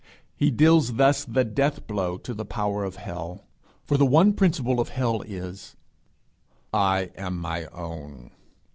He deals thus the death blow to the power of hell. For the one principle of hell is 'I am my own.